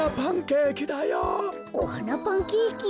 おはなパンケーキ？